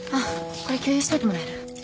これ共有しといてもらえる？